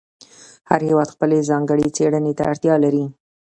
هر هېواد خپلې ځانګړې څېړنې ته اړتیا لري.